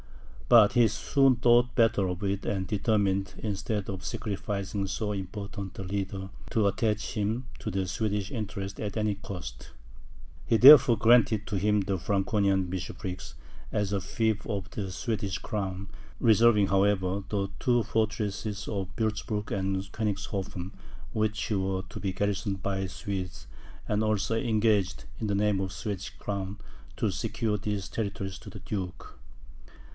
But he soon thought better of it, and determined, instead of sacrificing so important a leader, to attach him to the Swedish interests at any cost. He therefore granted to him the Franconian bishoprics, as a fief of the Swedish crown, reserving, however, the two fortresses of Wurtzburg and Koenigshofen, which were to be garrisoned by the Swedes; and also engaged, in name of the Swedish crown, to secure these territories to the duke.